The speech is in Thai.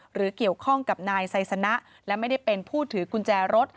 หรือเกี่ยวข้องกับนายไซสนะและไม่ได้เป็นผู้ถือกุญแจรถ